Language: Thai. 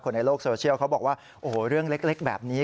ในโลกโซเชียลเขาบอกว่าโอ้โหเรื่องเล็กแบบนี้